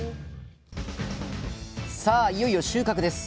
さあいよいよ収穫です。